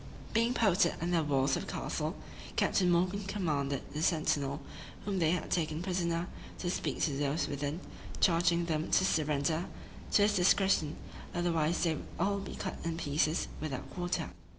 Being posted under the walls of the castle, Captain Morgan commanded the sentinel, whom they had taken prisoner, to speak to those within, charging them to surrender to his discretion; otherwise they should all be cut in pieces, without quarter.